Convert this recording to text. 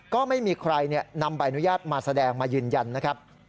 ก็ไม่มีใครนำใบอนุญาตมาแสดงมายืนยันนะครับ